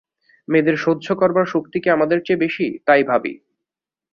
মেয়েদের সহ্য করবার শক্তি কি আমাদের চেয়ে বেশি, তাই ভাবি।